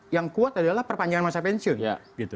yang kuat adalah perpanjangan masa pensiun